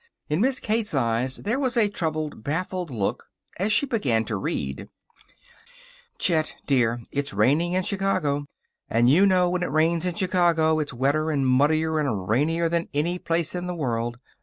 In Miss Kate's eyes there was a troubled, baffled look as she began to read: Chet, dear, it's raining in Chicago. And you know when it rains in Chicago it's wetter, and muddier, and rainier than any place in the world.